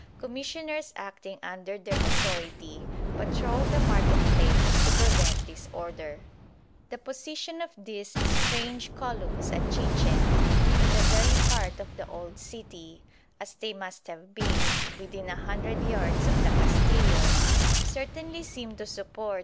Commissioners acting under their authority patrolled the market place to prevent disorder." The position of these strange columns at Chichen, in the very heart of the old city, as they must have been, within a hundred yards of the Castillo, certainly seem to support M.